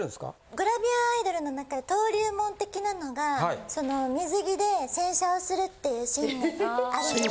グラビアアイドルの中で登竜門的なのがその水着で洗車をするっていうシーンあるんです。